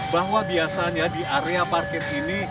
bahwa biasanya di area parkir ini